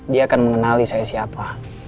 dia akan mengenali saya siapa